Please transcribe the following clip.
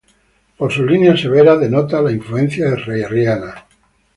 Por sus líneas severas denota la influencia herreriana.